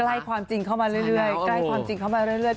ใกล้ความจริงเข้ามาเรื่อย